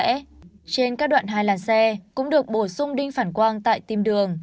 trên các đoạn hai làn xe cũng được bổ sung đinh phản quang tại kim đường